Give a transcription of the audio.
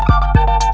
kau mau kemana